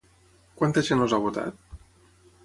Quanta gent els ha votat?